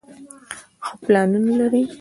ښۀ پلانونه لري